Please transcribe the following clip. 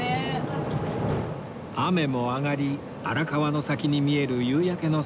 雨も上がり荒川の先に見える夕焼けの空